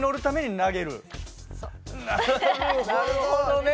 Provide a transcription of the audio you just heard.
なるほどね。